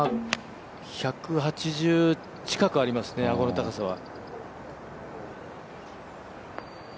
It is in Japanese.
１８０近くありますね、アゴの高さは。